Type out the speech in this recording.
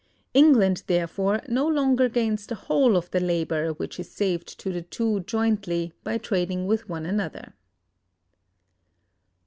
England, therefore, no longer gains the whole of the labor which is saved to the two jointly by trading with one another.